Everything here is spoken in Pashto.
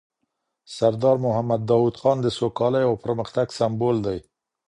سردار محمد داود خان د سوکالۍ او پرمختګ سمبول دی.